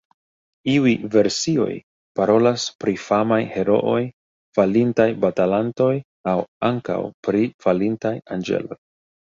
Iuj versioj parolas pri famaj herooj, falintaj batalantoj aŭ ankaŭ pri falintaj anĝeloj.